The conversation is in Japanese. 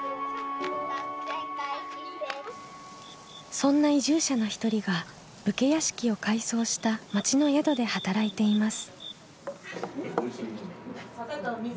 そんな移住者の一人が武家屋敷を改装した町の宿で働いています。